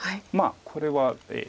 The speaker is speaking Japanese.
これは。